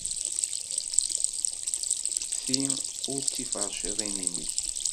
Ti ur d tiferciḍin-nnek.